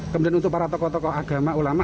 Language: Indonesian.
kemudian untuk para tokoh tokoh agama ulama